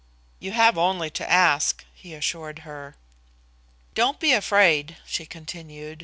"You have only to ask," he assured her. "Don't be afraid," she continued.